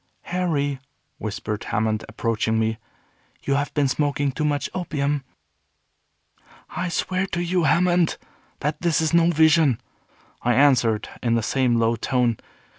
"Harry," whispered Hammond, approaching me, "you have been smoking too much opium." "I swear to you, Hammond, that this is no vision," I answered, in the same low tone.